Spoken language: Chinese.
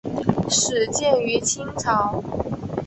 始建于清朝。